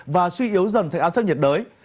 và suy yếu dần thành áp thấp nhiệt đới